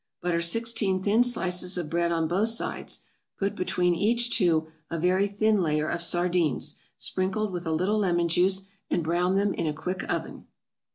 = Butter sixteen thin slices of bread on both sides, put between each two a very thin layer of sardines, sprinkled with a little lemon juice, and brown them in a quick oven.